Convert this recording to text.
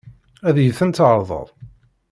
Ad iyi-tent-tɛeṛḍeḍ?